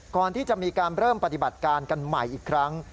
ก่อนที่จะมีการเริ่มปฏิบัติการกันใหม่อีกครั้ง